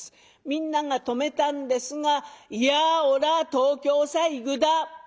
みんなが止めたんですが「いやおら東京さ行ぐだ」。